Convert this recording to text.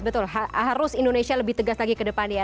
betul harus indonesia lebih tegas lagi ke depan ya